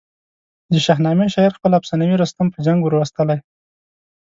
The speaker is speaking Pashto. د شاهنامې شاعر خپل افسانوي رستم په جنګ وروستلی.